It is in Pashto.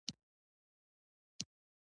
زه د پخوانیو مجسمو تاریخ زدهکړه کوم.